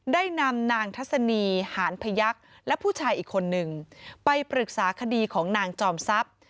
ได้นำนางทัศนีหานพยักษ์และผู้ชายอีกคนนึงไปปรึกษาคดีของนางจอมทรัพย์